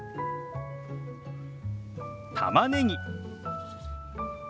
たまねぎ。